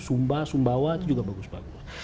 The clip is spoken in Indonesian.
sumba sumbawa itu juga bagus bagus